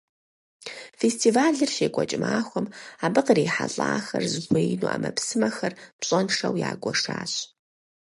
Фестивалыр щекӀуэкӀ махуэм, абы кърихьэлӀахэр зыхуеину Ӏэмэпсымэхэр пщӀэншэу ягуэшащ.